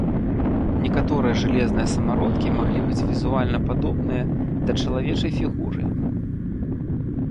Некаторыя жалезныя самародкі маглі быць візуальна падобныя да чалавечай фігуры.